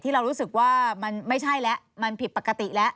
เรารู้สึกว่ามันไม่ใช่แล้วมันผิดปกติแล้ว